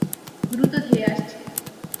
দ্রুত ধেয়ে আসছে।